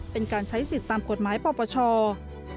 เป็นการใช้สิทธิ์ตามกฎหมายปปช